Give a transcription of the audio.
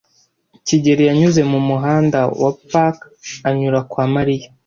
kigeli yanyuze mu muhanda wa Park anyura kwa Mariya.